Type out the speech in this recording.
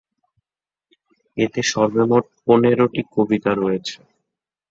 এতে সর্বমোট পনেরোটি কবিতা রয়েছে।